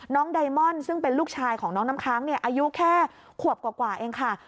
ไดมอนด์ซึ่งเป็นลูกชายของน้องน้ำค้างอายุแค่ขวบกว่าเองค่ะ